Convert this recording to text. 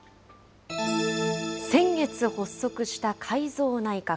先月発足した改造内閣。